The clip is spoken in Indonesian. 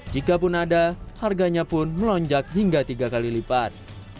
jikapun ada harganya pun melonjak hingga tiga kali lipat